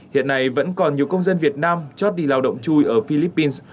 hiện nay vẫn còn nhiều công dân việt nam chót đi lao động chui ở philippines